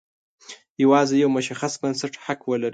یوازې یو مشخص بنسټ حق ولري.